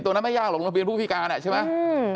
ตรงนั้นไม่ยากหรอกมันเป็นผู้พิการน่ะใช่ไหมอืม